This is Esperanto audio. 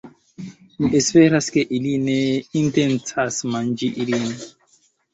Mi esperas, ke ili ne intencas manĝi ilin